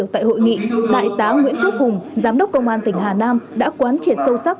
tại hội nghị đại tá nguyễn quốc hùng giám đốc công an tỉnh hà nam đã quán triệt sâu sắc